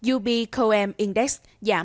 ubcoem index giảm chín